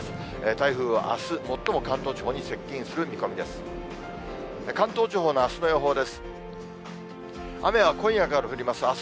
台風はあす、最も関東地方に接近する見込みです。